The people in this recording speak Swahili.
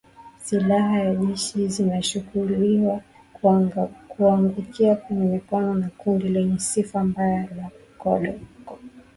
Silaha za jeshi zinashukiwa kuangukia kwenye mikono ya kundi lenye sifa mbaya la CODECO